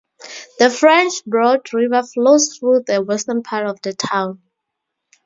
The French Broad River flows through the western part of the town.